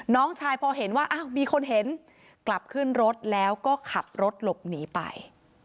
น้องชายพอเห็นว่าอ้าวมีคนเห็นกลับขึ้นรถแล้วก็ขับรถหลบหนีไป